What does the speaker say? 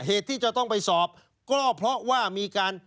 เหตุที่จะต้องไปสอบก็เพราะว่ามีการ